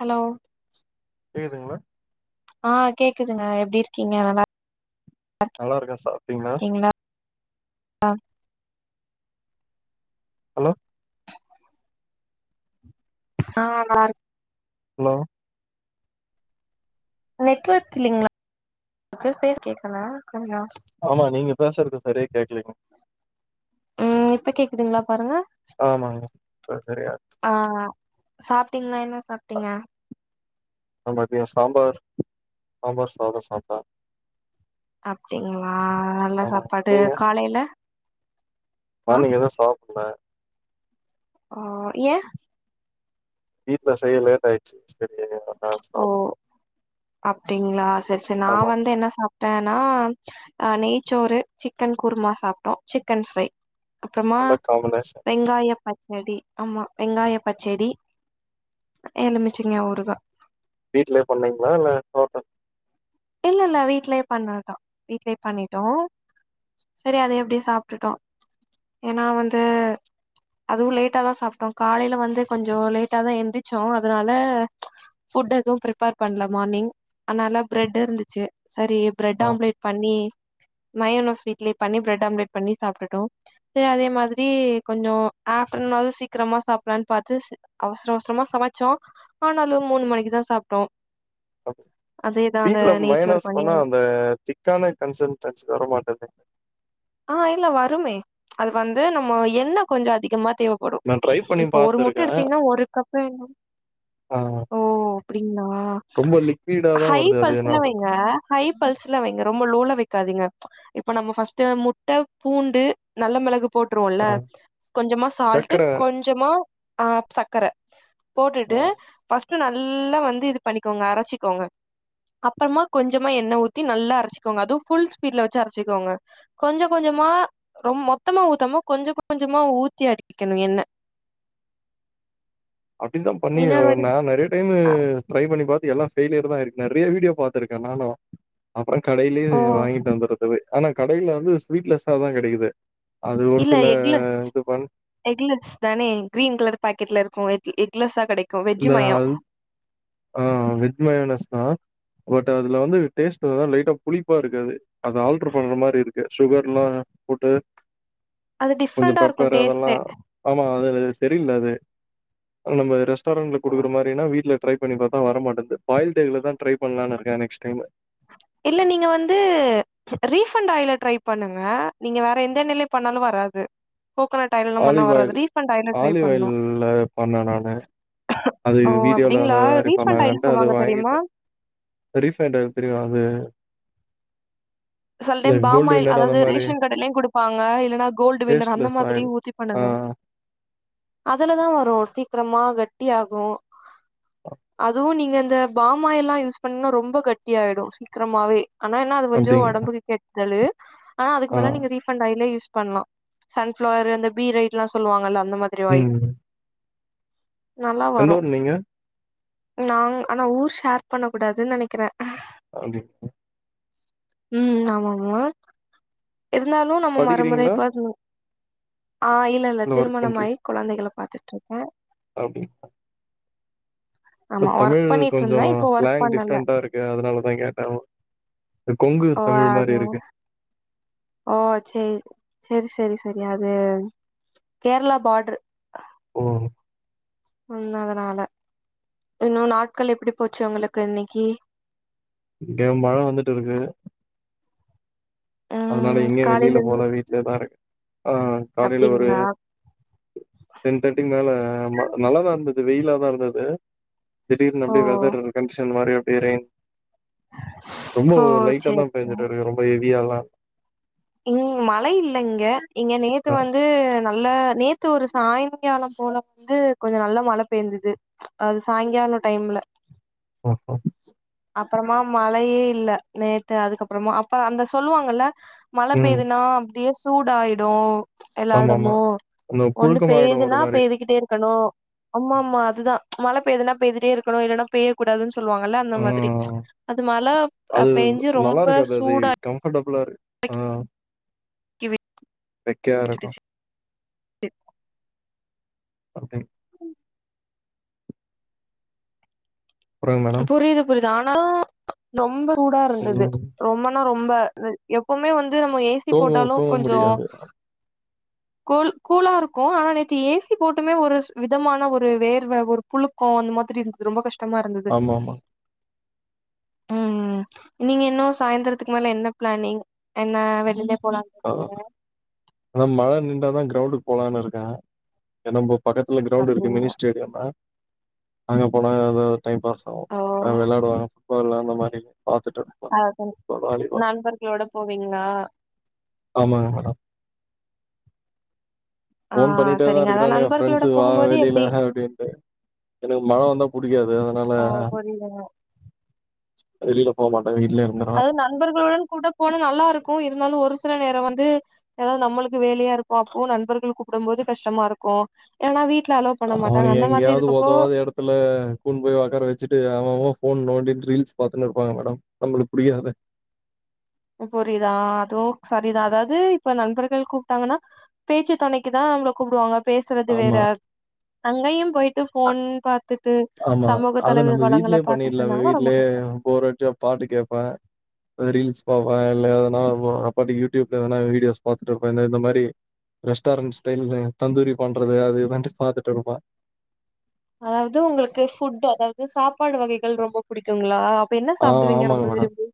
Hello கேக்துங்களா. ஆ கேக்குதுங்க எப்டி இருக்கீங்க நல்லா [inaudible] நல்லா இருக்க. சாப்பிட்டீங்ளா நீங்கெல்லா ஹலோ ச [unintelligible] ஹலோ நெட்வர்க் இல்லேங்களா [inaudible] கு பேஸ் கேக்கல கொஞ்சோ ஆமா நீங்க பேசறது பெரியா கேக்குலீங்கோ உம் இப்ப கேக்குதுங்களா பாருங்க ஆமாங்க இப்ப சரியாருக் ஆ சாப்டீங்களா என்ன சாப்டீங்க நா மதியோ சாம்பார் சாம்பார் சாதோ சாப்ட அப்டிங்களா நல்ல ஆமாங்க சாப்பாடு நீங்க காலையில ஆ இப்பதா சாப்டே ஆ ஏ வீட்ல செய்ய லேட் ஆயிடுச்சு செரி [unintelligible] சாப்ட அப்டீங்களா செரி செரி நா வந்து என்ன சாப்ட் ஆ நா நெய்ச்சோறு சிக்கன் குருமா சாப்ட்டோ சிக்கன் ஃப்ரை அப்றோமா நல்ல காம்பினேஷன் வெங்காய பச்சடி ஆமா வெங்காய பச்சடி எலுமிச்சங்க ஊருகா வீட்லயே பண்ணீங்களா இல்ல ஹோட்டல் இல்ல இல்ல வீட்லயே பண்ணதுதா வீட்லயே பண்ணிட்டோ செரி அத எப்டியோ சாப்டிட்டுட்டோ ஏன்னா வந்து அதுவு லேட்டாதா சாப்ட்டோ காலையில வந்து கொஞ்சோ லேட்டாதா எந்திரிச்சோ அதனால ஃபுட் எதுவு பிரிபேர் பண்ல மார்னிங் அதனால ப்ரெட் இருந்துச்சு செரி ப்ரெட் ஆ ஆம்லேட் பண்ணி மயோனஸ் வீட்லயே பண்ணி ப்ரெட் ஆம்லெட் பண்ணி சாப்டுட்டோ சே அதே மாதிரி கொஞ்சோ ஆஃப்டர்நூன் ஆவது சீக்கரமா சாப்பலான் பாத்து ஸ் அவசர அவசரமா சமச்சோ ஆனாலு மூணு மணிக்குதா சாப்ட்டோ வீட்ல நெய்ச்சோறு மையனஸ் பண்ணி பண்ணா அந்த திக்கான கன்சன்டன்சி வர மாட்டேது ஆ இல்ல வருமே அது வந்து நம்ம எண்ண கொஞ்சோ அதிகமா தேவப் படும் நா ட்ரை பண்ணி இப்ப ஒரு பாத்துருக்கே முட்ட எடுத்தீங்கன்னா ஒரு கப்பு எண் ஆ ஓ அப்டிங்களா ரொம்ப லிக்விடா தா ஹய் வருது அது என்ன பல்ஸ்ல வைங்க ஹய் பல்ஸ்ல்ல வைங்க ரொம்ப லோல வெக்காதீங்க இப்ப நம்ம ஃபர்ஸ்ட்டு முட் ட்ட பூண்டு நல்ல மிளகு போட்டுருவோல்ல ஆ கொஞ்சமா சால்ட்டு சக்கர கொஞ் ஞ்சமா அ சக்கர போட்டுட்டு் ஆ பஸ் ட்டு நல்லா வந்து இது பண்ணிக்கோங்க அரச்சிக்கோங்க அப்பறமா கொஞ்சமா எண்ணெ ஊத்தி நல்லா அரச்சுக்கோங்க அது ஃபுல் ஸ்பீட்ல வெச்சு அரச்சிக்கோங்க கொஞ்ச கொஞ்சமா ரொம் மொத்தமா ஊத்தாம கொஞ்ச கொஞ்சமா ஊத்தி அடிக்கிகணு எண்ண அப்டின் தா பண்ணி இன்னொரு வாட்டி நா நெறே டைமு அ ட்ரை பண்ணி பாத்து எல்லா ஃபய்லியர் தா ஆயிருக்கு நெறைய வீடியோ பாத்துருக்கே நானு அப்பறோ கடைலியே ஓ வாங்கிட்டு வந்தரது போய் ஆனா கடையில வந்து ஸ்வீட்லெஸ்ஸாதா கெடைக்குது அது ஒரு சில இது பண் எக்குலெஸ் தானே கிரீன் கலர் பாக்கெட்ல இருக்கு எக் எக்லெஸ்ஸா கெடைக்கு வெஜ் இந்த மயம். ஆள் ஆ வெஜ் மயனஸ் பட் அதுல வந்து டேஸ்ட் தா லைட்டா புளிப்பா இருக் அது அது ஆல்டர் பண்ற மாரி இருக்கு சுகர்ல்லா போட்டு அது கொஞ்சோ டிஃப்ரெண்டா இருக்கு பெப்பரு அதெல்லா டேஸ்ட்டே. ஆமா அது அது செரியில்ல அது நம்ப ரெஸ்டாரன்ட்ல குடுக்குற மாரினா வீட்ல ட்ரை பண்ணிபாத்தா வர மட்டேங்குது பாயில் டாய்ல தா ட்ரை பண்ணலானு இருக்கே நெக்ஸ்ட் டைம்மு இல்ல நீங்க வந்து ரீஃபண்ட் ஆயில ட்ரை பண்ணுங்க நீங்க வேற எந்த எண்ணையில பண்ணாலு வராது coconut oil olive oil olive ஆயில்ல பண்ணே நானு அது ஓ வீடியோல அந்த அப்டிங்களா? மாரி ரீஃபண்ட் ஆயில் பண்ணாங்கன்ட்டு அது சொல்லுவாங்க தெரியுமா? வாங்கிட்டே ரீசண்ட் அது தெரியு அது சில இந்த டைம் கோல்டு பாமாயில் வின்னர் அந்த அதாவது மாரி ரேஷன் கடைலையு குடுப்பாங்க இல்லன்னா கோல்டு வின்னர் அந்த டேஸ்ட்லெஸ் மாதிரி ஆயில் ஊத்தி ஆ பண்ணுங்க அதுல தா வரு சீக்கிரமா கட்டி ஆகு அதுவு நீங்க இந்த பாமாயில்லா யூஸ் பண்ணிங்னா ரொம்ப கட்டி ஆயிடு சீக்கிரமாவே ஆனா என்ன அது கொஞ்சோ அப்டிங்க உடம்புக்கு கெடுதலு ஆனா அதுக்கு ஆ பதில்ல நீங்க ரீஃபண்ட் ஆயிலே யூஸ் பண்லா சன்ஃப்ளவர் அந்த பீ ரைட்லா சொல்லு வாங்கல்ல அந்த மாரி ம் நல்லா எந்த வரு ஊர் நீங்க நா ஆனா ஊர் ஷேர் பண்ண கூடாதுன்னு நினைக்கிறே கண்டிப்பா உம் ஆம் ஆமாங்மா இருந்தாலு நம்ம படிக்கிறீங்களா மறைமுறைப் பா ஆஹ் இல்ல இல்ல திருமணமாய் குழந்தைகள பாத்துட்டு இருக்கே அப்புடி இ ஆமா தமிழ் ஒர்க் பண்ணிட்டு கொஞ்சோ இருந்தே இப்போ ஒர்க் ஸ்லாங் பண்ணல டிஃப்ரண்ட்டா இருக் அதனாலதா கேட்டே நா கொங்கு ஓ தமிழ் அது மாரி இருக்கு ஓ சரி சரி சரி சரி அது கேரளா பார்டரு ஓ உள்ள அதனால இன்னு நாட்கள் எப்படி போச்சு உங்களுக்கு இன்னைக்கு இங்க மழ வந்துட்டு இருக்கு அதனால ம் எங்கயு காலையில வெளில இருந்து போல வீட்டுலதா இருக்கே ஆஹ் காலையில ஒரு அப்டிங்களா டென் தேர்ட்டி மேல நல்லாதா இருந்தது வெயிலாதா இருந்தது திடீர்னு ஓ அப்டியே வெதர் கண்டிஷன் மாரி அப்டியே ரெயின் ரொம்ப ஓ லைட்டா சேரி தா பேஞ்சட்டு இருக்கு ரொம்ப ஹெவியால்லா ம் மழை இல்ல இங்க இங்க நேத்து அ வந்து நல்லா நேத்து ஒரு சாயந் சாய்ங்காலோ போல வந்து கொஞ்ச நல்ல மழ பேஞ்சுது அது சாய்ங்காலோ டைம்ல ஓஹ அப்றமா மழயே இல்ல நேத்து அதுக்கப்றமா அப்ப அந்த சொல்லுவாங்ல்ல மழ ம். பெய்துனா அப்டியே சூடாயிடு எல்லா ஆமாமா. எடமு அந்த ஒண்ணு புழுக்கமாயிடும் ஒரு பெய்யுதுன்னா மாரி. பெய்துக்கிட்டே இருக்கணு ஆமா ஆமா அதுதா மழைபெய்துனா பெய்திட்டே இருக்கணு இலன்னா பெய்ய கூடாதுனு சொல்லுவாங்கல்ல அந்த ஆ மாரி அது மழ பேஞ்சு ரொம்ப சூடா கம்ஃபட்டபுளா இருக்கு ஆஹ் வெக்கயா இருக்கு விட்டுடுச்சு [inaudible] அப்புறம் மேடம்? புரிது புரிது ஆனா ரொம்ப ரூடா இருந்துது ம். ரொம்பனா ரொம்ப எப்போமே வந்து நம்ம ஏசி தூங்குவோ போட்டாலு தூங்க கொஞ்சோ முடியாது கூல் கூலா இருக்கு ஆனா நேத்தி ஏசி போட்டுமே ஒரு விதமான ஒரு வேர்வ ஒரு புழுக்கோ அந்த மாரி இருந்துது ரொம்ப கஷ்டமா இருந்துது ஆமாமா. ம் நீங்க இன்னு சாய்ந்துரத்துக்கு மேல என்ன ப்ளானிங் என்ன வெளில போலா ஆ அதா மழ நிண்டாதா க்ரௌண்டுக்கு போலான்னு இருக்கே என்னபோ பக்கத்துல க்ரௌண்ட் இருக்கு பாக்குறீங்க மினிஸ்டர் எரியாதா அங்க போனா டைம் பாஸ் ஆவு ஓ விளயாடுவாங்க ஃபுட்பால் அந்த மாரி பாத்துட்டு அது சேரி வாலிபால். நண்பர்களோட போவீங்ளா ஆமாங்க மேடம் ஆ ஃபோன் பண்ணிட்டே தா சரிங்க அதா இருக்றானுங்க நண்பர்களோட ஃப்ரெண்ட்ஸுங்க வா போகும்போது வெளியில எப்டி அப்டின்ட்டு எனக்கு மழ வந்தா புடிக்காது அதுனால இல்லங்க வெளியில போமாட வீட்லே இருக் அது நண்பர்களுடன் கூட போன நல்லா இருக்கு இருந்தாலு ஒரு சில நேரோ வந்து ஏதாது நம்பளுக்கு வேலையா இருக்கு அப்போவு நண்பர்கள் கூப்டு போது கஷ்டமா இருக்கு எனா வீட்டுல அளோ அவுனுங்க எங்கயாவது ஒதவாத இடத் துல்ல கூன்டு போய் வொக்கார வச்சிட்டு அவ அவ ஃபோன் நோண்டிடு ரீல்ஸ் பாத்துன்னு இருப்பாங்க மேடம் நம்பள்கு புடிக்காத புரியுதா அதுவு சரிதா அதாது இப்ப நண்பர்கள் கூப்ட்டாங்கன்னா பேச்சு தொணைக்கு தா நம்பள கூப்டுவாங்க பேசுறது வேற ஆமா அங்கேயு போயிட்டு ஃபோன் பாத்துட் டு ஆமா சமூக அத தலைவ வளங்கள பார்துட்டு இருந்தாங்கனா ரொம்ப கஷ்டோ போறச்சே பாட்டு கேட்ப ரீல்ஸ் பாப்ப இல்ல எதனா ஆ பாட்டுக்கு யூடியூப்ல எதுனா வீடியோஸ் பாத்துட்டு இருப்பே இந்த இந்த மாரி ரெஸ்டாரன்ட் ஸ்டைல்ல தந்தூரி பண்றது அது இதுட்டு பாத்துட்டு இருப்ப அதாவது உங்கள்க்கு ஃபுட் அதாவது சாப்பாடு வகைகள் ரொம்ப புடிக்குங்ளா அப்ப என்ன ஆ சாப்டுவீங்க ஆமாங்க ரொம்ப மேடம் விரும்பி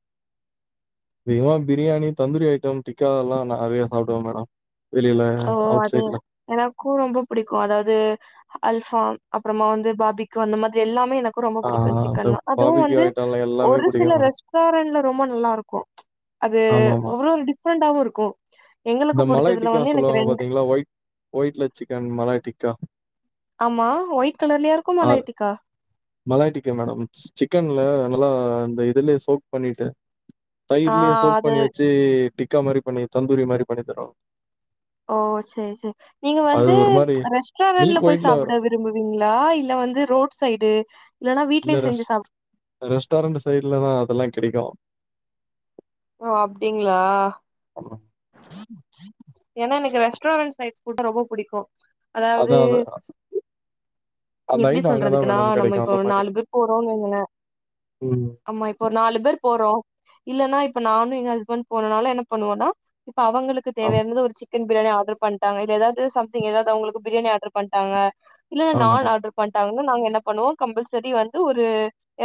அதிகமா பிரியாணி தந்தூரி ஐட்டம் டிக்கல்லா நெறைய சாப்டுவே மேடம் வெளில ஓ அவுட் அது சைட்ல எனக்கு ரொம்ப புடிக்கு அதாது அல்ஃபா அப்றமா வந்து பாபிக்கு அந்த மாரி எல்லாமே எனக்கு ரொம்ப ஆ புடிக்கு அந்த சிக்கன்லா அதுவு பாபிக்யூ வந்து ஐட்டம்ல எல்லாமே ஒரு சில பிடிக்கும் மேடம். ரெஸ் டாரன்ல ரொம்ப நல்லா இருக்கு அது ஆமாமா. ஒவ்வொரு டிஃப்ரெண்டாவு இருக்கு இந்தமலாய் டிக்கா சொல்லுவாங்க பாத்தீங்களா ஒயிட் ஒயிட்ல சிக்கன் மலாய் டிக்கா ஆமா ஒயிட்கலர்லயா இருக்கு மலாய்டிக்கா மலாய்டிக்கா மேடம் சிக்கன்ல நல்லா இந்த இதுலா சோக் பண்ணிட்டு ஆ தயிர்லே சோக் அது பண்ணி வச்சு டிக்கா மாரி பண்ணி தந்தூரி மாரி பண்ணி தருவாங்க ஓ சேரி சேரி நீங்க அது வந்து ஒரு மாரி ரெஸ்டாரண்ட்ல மில்க் போய் ஒயிட்ல சாப்பிட வரும். வி ரும்புவீங்களா இல்ல வந்து ரோட் சைடு இல்லனா வீட்டுலயே செஞ்சு சாப் ரெஸ்டாரண்டு சைடுலதா அதெல்லா கேடைக்கு ஒ அப்டிங்களா ஆமா ஏன்னா எனக்கு ரெஸ்டாரன்ட் சைட் புட் ரொம்ப பிடிக்கு அதாவது அதான் [inaudible] எப்டி ஐட்டம் அங்க தான் சொல்றதுக்குன்னா மேடம் நம்ப கிடைக்கும். இப்ப அந்த மாரி. நாலு பேரு போறோனு வைங்களே ம். ஆமா இப்போ நாலு பேரு போறோ இல்லனா இப்ப நானு எங்க ஹஸ்பண்ட் போனனால என்ன பண்ணுவோன்னா இப்ப அவங்களுக்கு கு ஆமா. தேவையாருந்துது ஒரு சிக்கன் பிரியாணி ஆர்ட்ரு பண்ட்டாங்க இல்ல எதாவது சம்த்திங் எதாது அவுங்குளுக்கு பிரியாணி ஆர்ட்ரு பண்ட்டாங்க இல்லல ஆமாங்க. நான் ஆர்ட்ரு பண்ட்டாங்க நாங்க என்ன பண்ணுவோ கம்பல்செரி வந்து ஒரு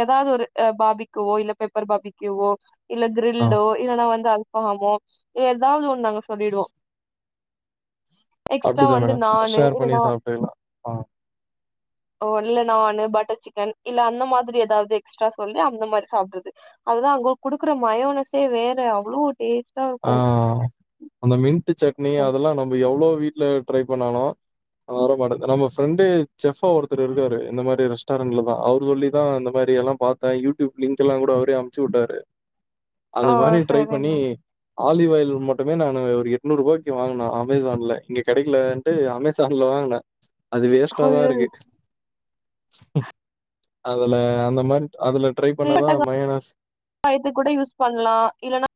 எதாது ஒரு பாபிக்குவோ இல்ல பெப்பர் பாபிக்யுவோ இல்ல ஆ. க்ரில்டோ இல்லன்னா வந்து அல்பாமோ எதாது ஒண்ணு நாங்க சொல்லிடுவோ அப்டிதா வந்து மேடம் நானு ஷேர் பண்ணி இல்லன்னா சாப்ட்டுக்லா ஓ இல்ல நானு பட்டர் சிக்கன் இல்ல அந்த மாதிரி எதாவது எக்ஸ்ட்ரா சொல்லி அந்த மாரி சாப்ட்றது அதுதா அங்க குடுக்குற மயோனைசே வேற அவ்ளோ டேஸ் ஆ அந்த மின்ட்டு சட்னி அதல்லா நம்ம எவ்ளோ வீட்ல ட்ரை பண்ணாலு அ வர மாட்டது நம்ம ஃப்ரெண்டு செஃபா ஒருத்தரு இருக்காரு இந்த மாரி ரெஸ்டாரண்ட்ல தா அவுரு சொல்லிதா இந்த மாரி எல்லாம் பாத்தா யூட்யூப் லிங்க் எல்லா கூட அவுரே அம்ச்சு உட்டாரு ஓ அது மாரி ட்ரைப் சரிங்க பண்ணி ஆலிவ் ஆயில் மட்டுமே நானு ஒரு எட்நூரூபாய்க்கு வாங்குன அமேசான்ல இங்க கெடைக்லன் ட்டு அமேசான்ல வாங்ன அது வேஸ்ட்டா தா ஐயோ, இருக்கு அதுல அந்த மாரி அதுல ட்ரை பண்ணாதா மயோனஸ் வய்த்துக் கூட யூஸ் பண்லாம் இல்லனா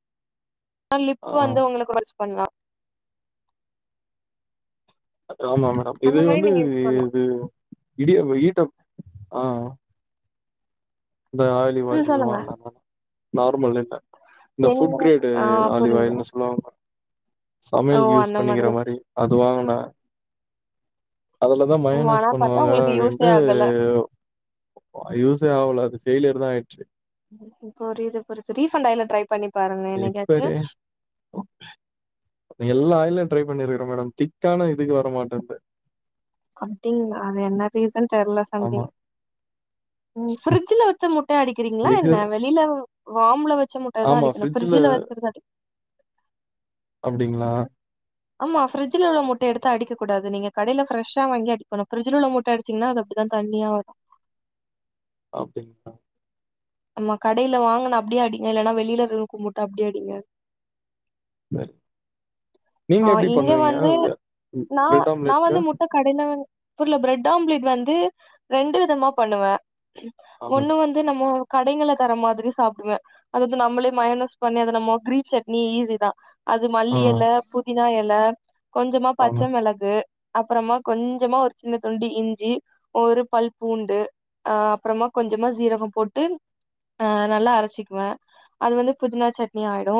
ஆ லிப் வந்து உங்களுக்கு [unintelligible] ஸ் பண்லா ஆமா மேடம் இது அந்த மாரி வந்து நீங்க யூஸ் பண்லா இது இடியாம ஈட்டப் ஆ இந்த ம் ஆலிவாய்லியு சொல்லுங்க வாங்னாங்க நார்மல் இல்ல இந்த ஃபுட் எங்களுக்கு கிரேடு ஆ ஆலிவ் புரியுது ஆயில்னு சொல்வாங்க ஓ சமயல்க்கு யூஸ் அந்த பண்ணிக்கிற மாதிரி மாரி அது வாங்கனா அதுலதா ஓ, ஆனா மையோனஸ் பாத்தா பண்ணுவாங்க உங்களுக்கு யூஸே அப்டின்ட்டு ஆகல யூஸே ஆவல அது ஃபெய்லியர் தா ஆயிட்ச்சி புரிது புரிது ரீஃபண்ட் ஆயில்ல ட்ரைப் பண்ணி பாருங்க என்னைக்காச்சு எக்ஸ்பைரி எல்லா ஆயில்லயு ட்ரைப் பண்ணிருக்குற மேடம் திக்கான இதுக்கு வர மாட்டான்து அப்டிங்ளா அது என்ன ரீசன் தெர்ல ஆமா சம்திங் ம் ஃப்ரிட்ஜில வெச்ச முட்டய அடிக்கிறிங்ளா எக்கு என்ன வெளில வாம்ல வெச்ச முட் அதாதா ஆமா அடிக்கணு ஃப்ரிட்ஜ்ல ஃப்ரிட்ஜில வச்சரத அடி அப்டிங்ளா ஆமா ஃப்ரிட்ஜில உள்ள முட்டய எடுத்து அடிக்க கூடாது நீங்க கடைல ஃபிரஷ்ஷா வாங்கி அடிக்கணு ஃப்ரிட்ஜ்ல உள்ள முட்ட அடி சிங்னா அது அப்டிதா தண்ணியா வரும் அப்டிங்ளா ஆமா கடைல வாங்குன அப்டியே அடிங்க இல்லனா வெளிலருருக்கு முட்ட அப்டியே அடிங்க சரி ஆ நீங்க எப்டி இங்க பண்ணுவீங்க வந்து நா பிரெட் நா ஆம்லெட்க்கு வந்து முட்ட கடைல வந் புர்ல பிரெட் ஆம்லேட் வந்து ரெண்டு விதமா பண்ணுவே ஆ ஒண்ணு மேடம் வந்து நம்மோ கடைங்கல்ல தர மாதுரி சாப்டுவே அதாவ்து நம்மளே மையனஸ் பண்ணி அத நம்மோ கிரீன் சட்னி ஈஸி தா அது ஆ மல்லி எல புதினா எல கொஞ்சமா ஆமா பச்ச மெளகு அப்றமா கொஞ்சமா ஒரு சின்ன துண்டு இஞ்சி ஒரு பல் பூண்டு அ அப்றமா கொஞ்சமா சீரகம் போட்டு ஆ நல்லா அரச்சிக்குவே அது வந்து புதினா சட்னி ஆய்டு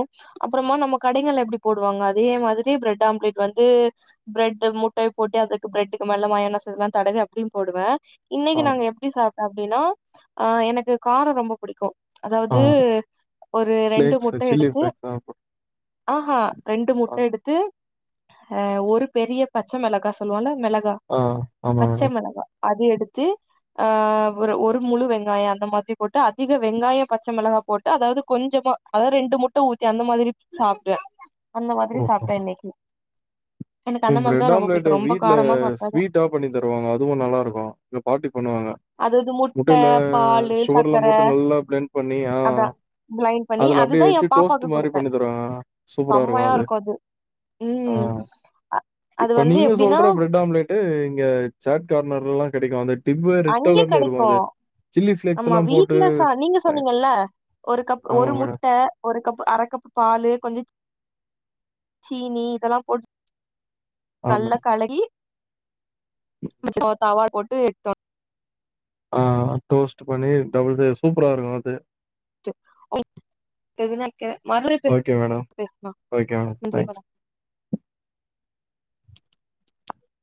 அப்றமா நம்ம கடைங்கல்ல எப்டி போடுவாங்க அதே மாதிரி பிரெட் ஆம்லெட் வந்து ப்ரெட்டு முட்டய போட்டு அதுக்கு ப்ரெட்டுக்கு மேல மயானஸ்ஸூல்லா தடவி அப்டியு போடுவே இன்னைக்கு ஆ நாங்க எப்டி சாப்ட்டோ அப்டின்னா அ எனக்கு காரோ ரொம்ப புடிக்கு ஆ அதாவ்து ஒரு ரெண்டு ஃபிளேக்ஸ் முட்ட சில்லி எடுத்து ஃபிளேக்ஸ் ஆ ஹா ரெண்டு முட்ட ஆ எடுத்து ஆ ஒரு பெரிய பச்ச மெளகா சொல்வோன்ல மெளகா ஆ ஆமா பச்ச மேடம் மெளகா அது எடுத்து ஆ ஒரு ஒரு முழு வெங்காயோ அந்த மாதிரி போட்டு அதிக வெங்காய பச்ச மொளகா போட்டு அதாவ்து கொஞ்சமா அதாவ்து ரெண்டு முட்ட ஊத்தி அந்த மாதிரி சாப்டுவே அந்த மாதிரி ஓ சாப்ட்டே இன்னிக்கி ம் ப்ரெட் ஆம்லேட்டு ரொம்ப வீட்ல காரமா சாப்ட்டாதா ஸ்வீட்டா பண்ணி தருவாங்க அதுவு நல்லாருக்கு எங்க பாட்டி பண்ணுவாங்க அதாவது முட்ட முட்டைல பாலு சுகர்லா சக்கர போட்டு நல்லா ப்ளேண்ட் பண்ணி ஆ அதா பிளைண்ட் பண்ணி அதுல அதுதா அப்டியே எ வெச்சு பாப்பாக்கு டோஸ்ட்டு மாரி குடுத்தே பண்ணி தருவாங்க சூப்பரா இருக்கு அது ஆ ம் அ இப்ப நீங்க சொல்ற ப்ரெட் ஆம்லெட்டு இங்க சாட் கார்னர்லலா கெடைக்கு வந்துட் அங்கே கடைக்கு சில்லி ஆமா ஃபிளேக்ஸ்லாம் போட்டு வீட்ல ச நீங்க பயங் சொன்னீங்கல்ல ஒரு கப் ஆமா ஒரு மேடம். முட்ட ஒரு கப்பு அர கப்பு பாலு கொஞ்சோ சீனி இதல்லா போட்டு ஆமா நல்லா மேடம். கலகி தவால போட்டு எட்டோ ஆ டோஸ்ட்டு பண்ணி டபுள் சைட் சூப்பரா இருக்கு அது [inaudible] எதுனா மறுபடி பேச ஓகே மேடம். பேசலா ஓகே மேடம். நன்றி தேங்க்ஸ். வணக்